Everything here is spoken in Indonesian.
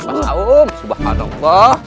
mas aum subhanallah